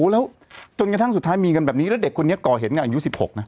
แล้วจนกระทั่งสุดท้ายมีเงินแบบนี้แล้วเด็กคนนี้ก่อเหตุเนี่ยอายุ๑๖นะ